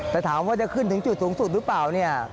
แต่ถามว่าจะขึ้นถึงจุดสูงสุดหรือเปล่าเนี่ย